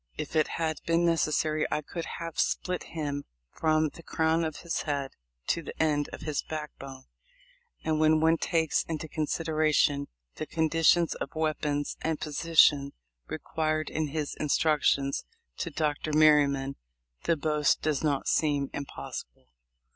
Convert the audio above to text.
If it had been necessary I could have split him from the crown of his head to the end of his backbone ;" and when one takes into consideration the conditions of weapons and position required in his instructions to Dr. Merry man the boast does not seem impossible.